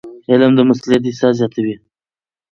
علم د مسؤلیت احساس زیاتوي.